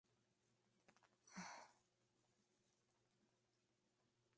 Este animal es predominantemente nocturno y crepuscular.